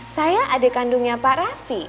saya adik kandungnya pak raffi